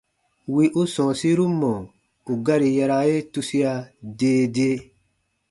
Wì u sɔ̃ɔsiru mɔ̀ ù gari yaraa ye tusia dee dee.